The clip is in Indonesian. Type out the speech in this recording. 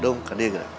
dung ke diri